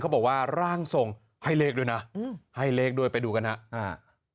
บอกว่าร่างทรงให้เลขด้วยนะอืมให้เลขด้วยไปดูกันฮะอ่า